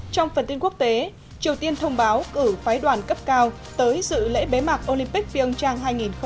trong phần tin quốc tế triều tiên thông báo cử phái đoàn cấp cao tới dự lễ bế mạc olympic pyeongchang hai nghìn một mươi tám